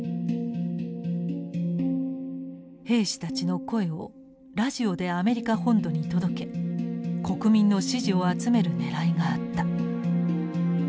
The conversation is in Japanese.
兵士たちの声をラジオでアメリカ本土に届け国民の支持を集めるねらいがあった。